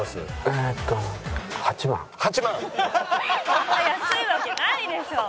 そんな安いわけないでしょ！